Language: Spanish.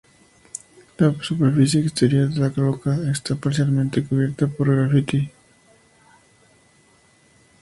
La superficie exterior de la roca está parcialmente cubierta por grafiti.